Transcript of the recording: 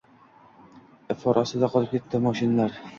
ifor ostida qolib ketdi moshinlar